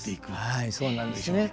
はいそうなんですね。